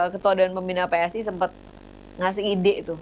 ketua dan pembina psi sempat ngasih ide tuh